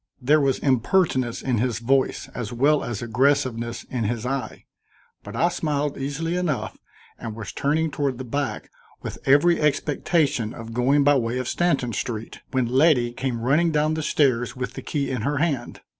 There was impertinence in his voice as well as aggressiveness in his eye, but I smiled easily enough and was turning toward the back with every expectation of going by way of Stanton Street, when Letty came running down the stairs with the key in her hand.